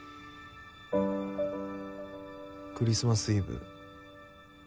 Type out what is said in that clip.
クリスマスイブ